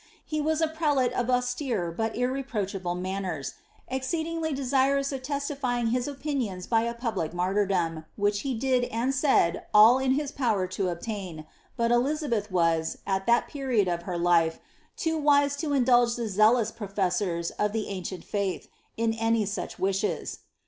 He was a pre iite of austere but irreproachable manners ; exceedingly desirous of tes lifriiig his opinions by a public martyrdom, which he did and said all io his power to obtain, but Elizabeth was, at that period of her life, too vue to indulge the zealous professors of the ancient faith, in any such vishes.